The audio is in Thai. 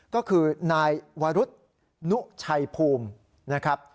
ก็คือนายวรุษนุชัยภูมินะครับ